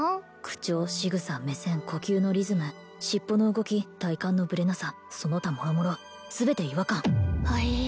口調しぐさ目線呼吸のリズム尻尾の動き体幹のブレなさその他もろもろ全て違和感！はえ